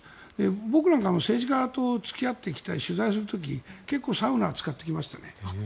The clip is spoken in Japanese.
僕なんかも政治家と付き合ってきて取材する時結構サウナを使ってきましたね。